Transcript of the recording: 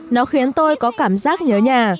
nó khiến tôi có cảm giác nhớ nhà